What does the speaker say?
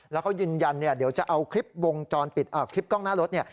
แล้วเขายืนยันเดี๋ยวจะเอาคลิปกล้องหน้ารถ